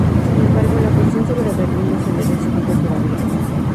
Sin embargo, la cuestión sobre Berlín no se había decidido todavía.